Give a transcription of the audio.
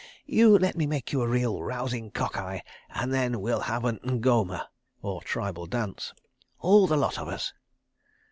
"You let me make you a real, rousing cock eye, and then we'll have an n'goma —all the lot of us.